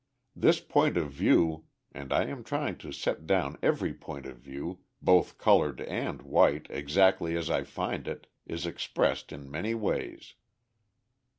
This point of view and I am trying to set down every point of view, both coloured and white, exactly as I find it, is expressed in many ways.